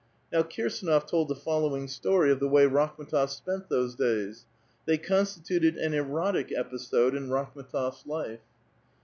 Now Kirsdnof told the following story of the way Rakhm^tof spent those days. They constituted an erotic episode in Rakhm^tof's life.